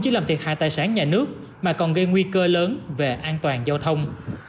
chỉ làm thiệt hại tài sản nhà nước mà còn gây nguy cơ lớn về an toàn giao thông